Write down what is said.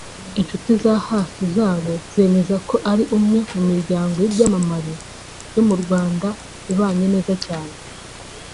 Inshuti za hafi zabo zemeza ko ari umwe mu miryango y’ibyamamare byo mu Rwanda ibanye neza cyane